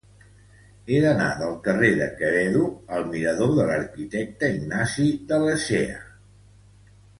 He d'anar del carrer de Quevedo al mirador de l'Arquitecte Ignasi de Lecea.